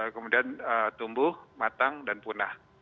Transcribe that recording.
kemudian tumbuh matang dan punah